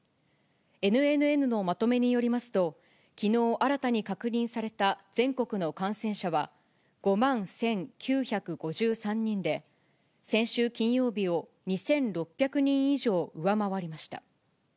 ＮＮＮのまとめによりますと、きのう新たに確認された全国の感染者は、５万１９５３人で、先週金曜日を２６００人以上上回りました。